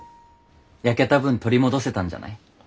焼けた分取り戻せたんじゃない？